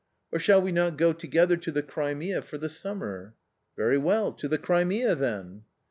"Or shall we not go together to the Crimea for the summer?" " Very well, to the Crimea then."